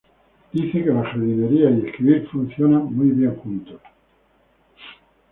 Dice que la jardinería y escribir "funcionan muy bien juntos".